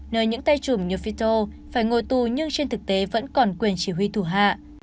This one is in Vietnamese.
nơi những tay chùm như fito phải ngồi tù nhưng trên thực tế vẫn còn quyền chỉ huy thủ hạ